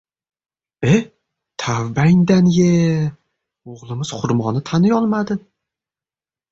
E, tavbangdan-ye, o‘g‘limiz xurmoni taniyolmadi!